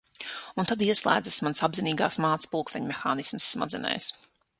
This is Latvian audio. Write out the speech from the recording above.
Un tad ieslēdzas mans apzinīgās mātes pulksteņmehānisms smadzenēs.